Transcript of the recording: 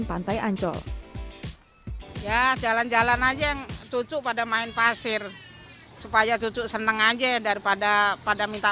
pantai ancol ya jalan jalan aja yang cucu pada main pasir supaya cucu seneng aja daripada pada minta